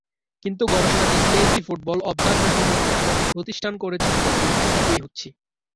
কিন্তু গবেষণাটি CIIC football অবজারভেটরির মতো প্রতিষ্ঠান করেছে বলে গুরুত্ব দিতেই হচ্ছে।